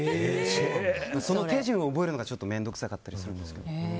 その手順を覚えるのがちょっと面倒くさかったりするんですけど。